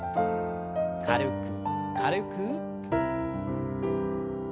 軽く軽く。